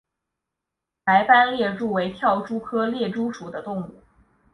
白斑猎蛛为跳蛛科猎蛛属的动物。